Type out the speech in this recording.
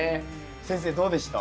先生どうでした？